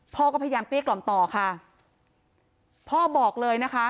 พ่อก็พยายามเกลี้ยกล่อมต่อค่ะพ่อบอกเลยนะคะ